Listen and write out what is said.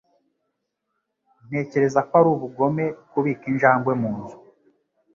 Ntekereza ko ari ubugome kubika injangwe mu nzu.